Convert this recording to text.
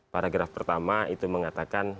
paragraf pertama itu mengatakan